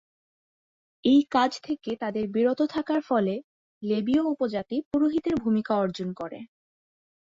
এই কাজ থেকে তাদের বিরত থাকার ফলে, লেবীয় উপজাতি পুরোহিতের ভূমিকা অর্জন করে।